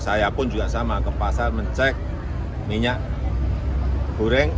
saya pun juga sama ke pasar mencek minyak goreng